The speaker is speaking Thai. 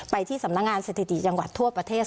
ที่สำนักงานสถิติจังหวัดทั่วประเทศ